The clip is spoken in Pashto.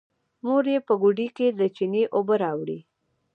مور يې په ګوډي کې له چينې اوبه راوړې.